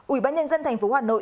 ubnd tp hà nội